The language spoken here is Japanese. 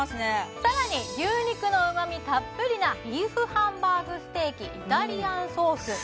さらに牛肉のうまみたっぷりなビーフハンバーグステーキイタリアンソース